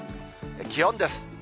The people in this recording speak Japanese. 気温です。